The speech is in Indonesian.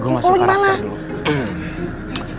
gue masuk karakter dulu